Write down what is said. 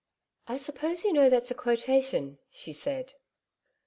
'I suppose you know that's a quotation,' she said.